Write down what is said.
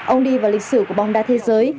ông đi vào lịch sử của bóng đá thế giới